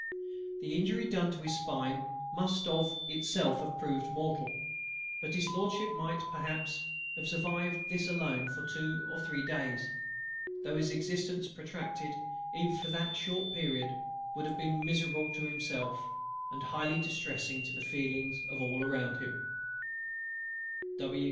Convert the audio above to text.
The injury done to the spine must of itself have proved mortal, but HIS LORDSHIP might perhaps have survived this alone for two or three days; though his existence protracted even for that short period would have been miserable to himself, and highly distressing to the feelings of all around him.